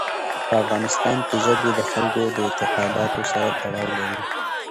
په افغانستان کې ژبې د خلکو د اعتقاداتو سره تړاو لري.